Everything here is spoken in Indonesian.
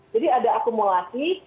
jadi ada akumulasi